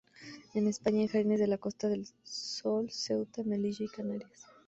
En España en jardines de la Costa del Sol, Ceuta, Melilla y Canarias.